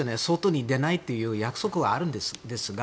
外に出ないという約束があるんですが。